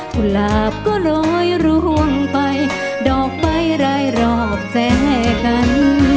ุหลาบก็ลอยร่วงไปดอกใบรายรอบแจ้กัน